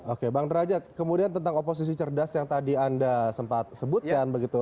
oke bang derajat kemudian tentang oposisi cerdas yang tadi anda sempat sebutkan begitu